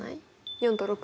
４と６？